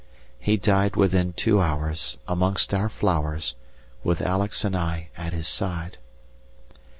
He died within two hours, amongst our flowers, with Alex and I at his side.